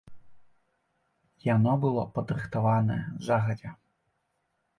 Яно было падрыхтаванае загадзя.